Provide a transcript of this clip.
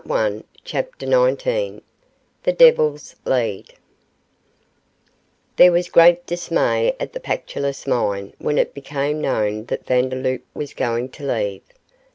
CHAPTER XIX THE DEVIL'S LEAD There was great dismay at the Pactolus Mine when it became known that Vandeloup was going to leave.